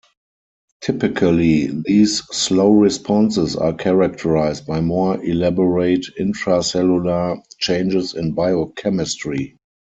Typically these slow responses are characterized by more elaborate intracellular changes in biochemistry.